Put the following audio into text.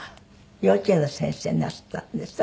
幼稚園の先生なすったんですって？